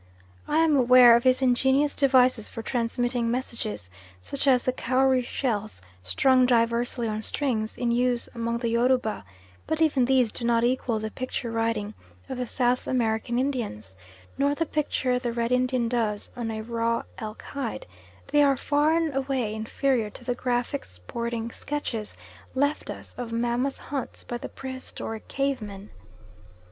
I am aware of his ingenious devices for transmitting messages, such as the cowrie shells, strung diversely on strings, in use among the Yoruba, but even these do not equal the picture writing of the South American Indians, nor the picture the Red Indian does on a raw elk hide; they are far and away inferior to the graphic sporting sketches left us of mammoth hunts by the prehistoric cave men.